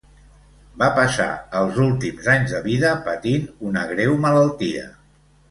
Va passar els últims anys de vida patint una greu malaltia.